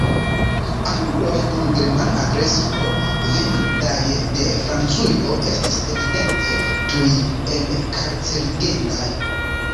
Angloj kun Germana adreso venantaj de Francujo estis evidente tuj enkarcerigendaj.